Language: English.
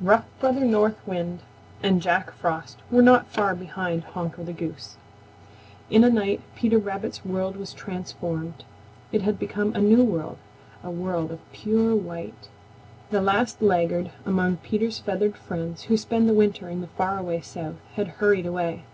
Rough Brother North Wind and Jack Frost were not far behind Honker the Goose. In a night Peter Rabbit's world was transformed. It had become a new world, a world of pure white. The last laggard among Peter's feathered friends who spend the winter in the far away South had hurried away.